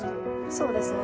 「そうですね」